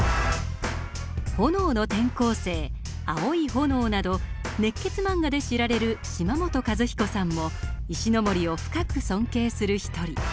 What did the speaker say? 「炎の転校生」「アオイホノオ」など熱血漫画で知られる島本和彦さんも石森を深く尊敬する一人。